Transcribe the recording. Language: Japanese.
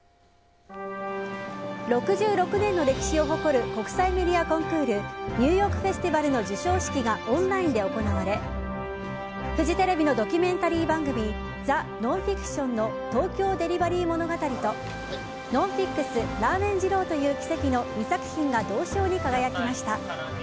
６６年の歴史を誇る国際メディアコンクールニューヨーク・フェスティバルの授賞式がオンラインで行われフジテレビのドキュメンタリー番組「ザ・ノンフィクション」の「東京デリバリー物語」と「ＮＯＮＦＩＸ」「ラーメン二郎という奇跡」の２作品が銅賞に輝きました。